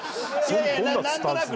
どんなスタンスなの？